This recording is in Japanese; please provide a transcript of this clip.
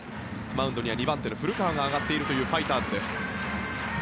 マウンドには２番手の古川が上がっているというファイターズです。